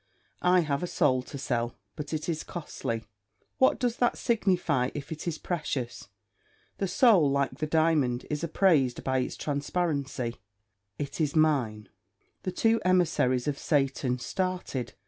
"I have a soul to sell, but it is costly." "What does that signify if it is precious? The soul, like the diamond, is appraised by its transparency." "It is mine." The two emissaries of Satan started.